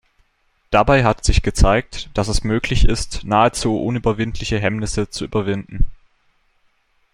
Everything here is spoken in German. Dabei hat sich gezeigt, dass es möglich ist, nahezu unüberwindliche Hemmnisse zu überwinden.